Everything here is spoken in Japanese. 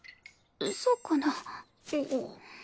そうかな？